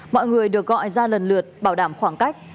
mọi người được gọi ra lần lượt bảo đảm khoảng cách